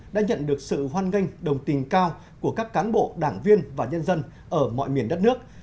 đã nhận được sự hoan nghênh đồng tình cao của các cán bộ đảng viên và nhân dân ở mọi miền đất nước